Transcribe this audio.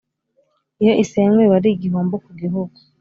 Iyo isenywe biba ari igihombo ku gihugu